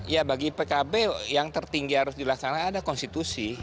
ya bagi pkb yang tertinggi harus dijelaskan adalah konstitusi